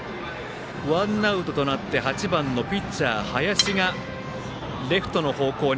ワンアウトとなって８番のピッチャー、林がレフトの方向に。